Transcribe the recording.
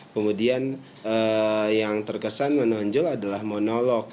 kemudian yang terkesan menonjol adalah monolog